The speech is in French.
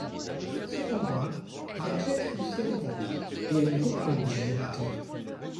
Cependant, Ratchet réussit à le battre et à lui reprendre le générateur.